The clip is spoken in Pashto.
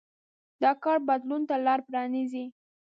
دا کار بدلون ته لار پرانېزي.